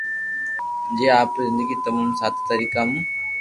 جي آپري زندگي تموم سادا طريقا مون